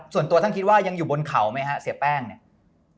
ส่วนตัวท่านคิดว่ายังอยู่บนเขาไหมฮะเสียแป้งเนี่ย